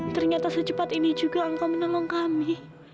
ternyata secepat ini juga engkau menolong kami